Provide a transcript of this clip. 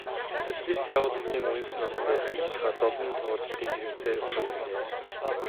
Социалист байгуулалтын үнс нурман дээр хаягдчихаад зовлон туулж дэнжгэнэсээр босоод ирлээ.